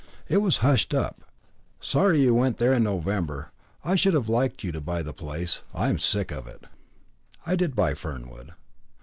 It was hushed up. Sorry you went there in November. I should have liked you to buy the place. I am sick of it." I did buy Fernwood.